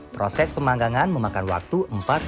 proses pemanggangan memakan waktu empat puluh lima menit